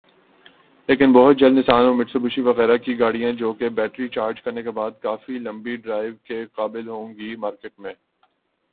لیکن بہت جلد نسان اور میٹسوبشی وغیرہ کی گاڑیاں جو کہ بیٹری چارج کرنے کے بعد کافی لمبی ڈرائیو کے قابل ہوں گی مارکیٹ میں